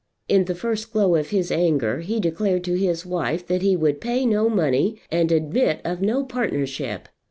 In the first glow of his anger he declared to his wife that he would pay no money and admit of no partnership.